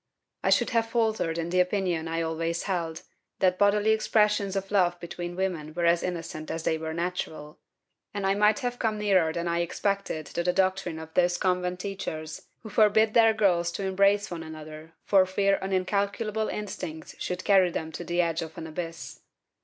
I should have faltered in the opinion I had always held, that bodily expressions of love between women were as innocent as they were natural; and I might have come nearer than I ever expected to the doctrine of those convent teachers who forbid their girls to embrace one another for fear an incalculable instinct should carry them to the edge of an abyss.